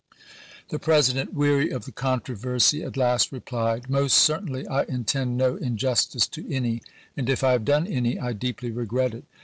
The President, weary of the controversy, at last replied; "Most certainly I intend no injustice to any, and if I have done any I deeply regret it.